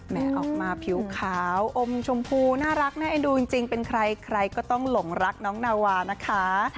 ออกมาผิวขาวอมชมพูน่ารักน่าเอ็นดูจริงเป็นใครใครก็ต้องหลงรักน้องนาวานะคะ